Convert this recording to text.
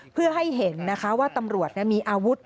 เพื่อให้เห็นนะคะว่าตำรวจมีอาวุธ